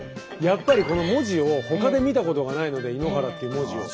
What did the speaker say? やっぱりこの文字を他で見たことがないので「井ノ原」っていう文字を。